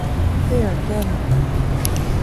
贝尔盖姆。